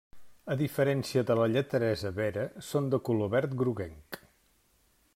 A diferència de la lleteresa vera, són de color verd groguenc.